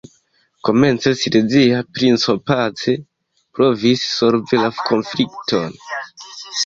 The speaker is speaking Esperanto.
Komence silezia princo pace provis solvi la konflikton.